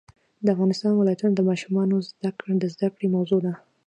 د افغانستان ولايتونه د افغان ماشومانو د زده کړې موضوع ده.